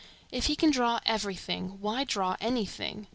If he can draw every thing, why draw any thing?